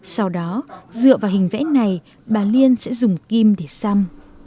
sau đó dựa vào hình vẽ này bà liên sẽ dùng kim để xăm